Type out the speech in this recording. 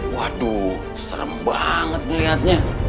waduh serem banget melihatnya